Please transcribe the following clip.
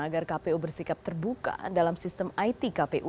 agar kpu bersikap terbuka dalam sistem it kpu